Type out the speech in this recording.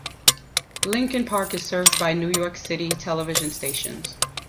Lincoln Park is served by New York City television stations.